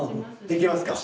できますか？